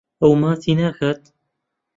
ئەو ماچی ناکات.